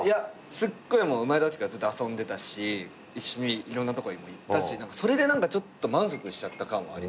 生まれたときからずっと遊んでたし一緒にいろんなとこにも行ったしそれで満足しちゃった感はあります。